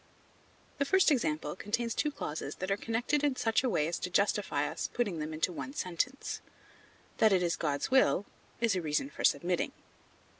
The first example contains two clauses that are connected in such a way as to justify us in putting them into one sentence; that it is God's will, is a reason for submitting.